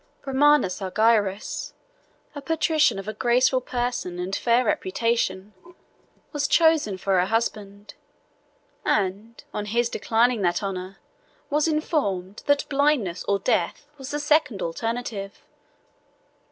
Romanus Argyrus, a patrician of a graceful person and fair reputation, was chosen for her husband, and, on his declining that honor, was informed, that blindness or death was the second alternative.